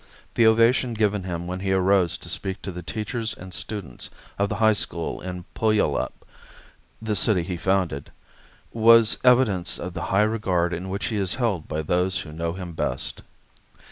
The ovation given him when he arose to speak to the teachers and students of the high school in Puyallup the city he founded was evidence of the high regard in which he is held by those who know him best.